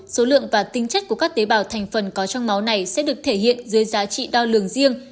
số lượng và tính chất của các tế bào thành phần có trong máu này sẽ được thể hiện dưới giá trị đo lường riêng